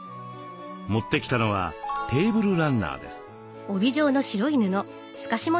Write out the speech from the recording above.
持ってきたのはテーブルランナーです。